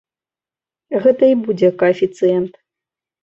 Гэта і будзе каэфіцыент.